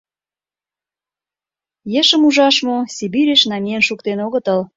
Ешым ужаш мо, Сибирьыш намиен шуктен огытыл.